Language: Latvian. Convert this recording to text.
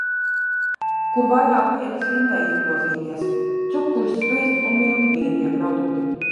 Kur vairāk vietas rindai izgrozīties. Cukurs, sviests un milti bija tie produkti.